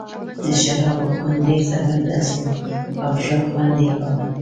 د شرابو خوند ډېر زبردست وو او ښه خوند یې کاوه.